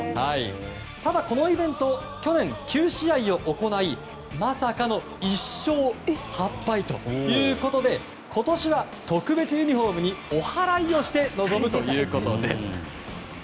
ただ、このイベント去年９試合を行いまさかの１勝８敗ということで今年は特別ユニホームにお祓いをして臨むということです。